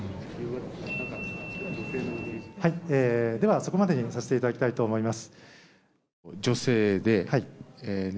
では、そこまでにさせていただきたいと思います。